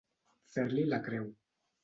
Fer-li la creu.